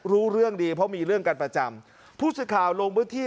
รู้เรื่องดีเพราะมีเรื่องกันประจำผู้สื่อข่าวลงพื้นที่